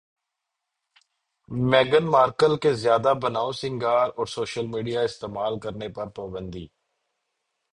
میگھن Markle کے زیادہ بنائو سنگھار اور سوشل میڈیا استعمال کرنے پر پابندی